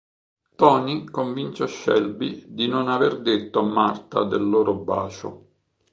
Toni convince Shelby di non aver detto a Martha del loro bacio.